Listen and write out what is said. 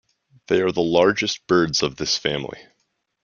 They are the largest birds of this family.